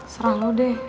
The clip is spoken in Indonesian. serah lo deh